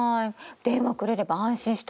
電話くれれば安心したのに。